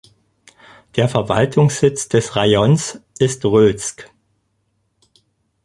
Der Verwaltungssitz des Rajons ist Rylsk.